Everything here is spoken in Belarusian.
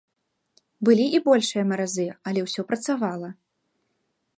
Былі і большыя маразы, але ўсё працавала.